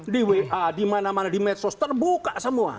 di wa dimana mana di medsos terbuka semua